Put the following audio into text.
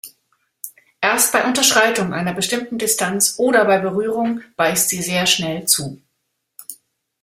Erst bei Unterschreitung einer bestimmten Distanz oder bei Berührung beißt sie sehr schnell zu.